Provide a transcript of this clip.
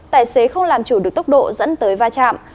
tài xế không làm chủ được tốc độ dẫn tới va chạm